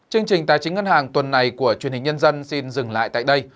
chương trình tài chính ngân hàng tuần này của truyền hình nhân dân xin dừng lại tại đây